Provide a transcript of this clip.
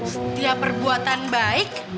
setiap perbuatan baik